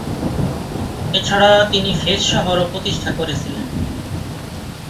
এছাড়া তিনি ফেজ শহরও প্রতিষ্ঠা করেছিলেন।